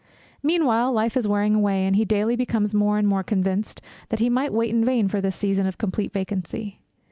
Meanwhile life is wearing away, and he daily becomes more and more convinced, that he might wait in vain for this season of complete vacancy.